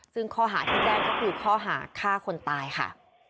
ซึ่งข้อหาที่แจ้งก็คือข้อหาฆ่าคนตายค่ะ